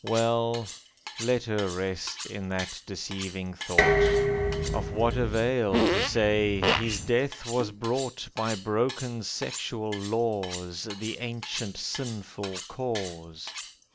Well, let her rest in that deceiving thought, Of what avail to say, 'His death was brought By broken sexual laws, The ancient sinful cause.